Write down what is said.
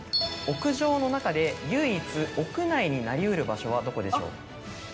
屋上の中で唯一屋内になり得る場所はどこでしょう？